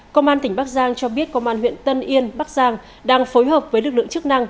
công an tỉnh bắc giang cho biết công an huyện tân yên bắc giang đang phối hợp với lực lượng chức năng